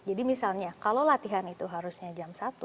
jadi misalnya kalau latihan itu harusnya jam satu